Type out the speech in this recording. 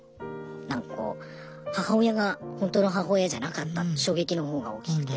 なんかこう母親がほんとの母親じゃなかった衝撃の方が大きくて。